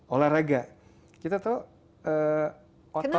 olahraga kita tahu otot